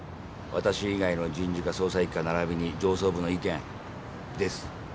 私以外の人事課捜査一課ならびに上層部の意見です。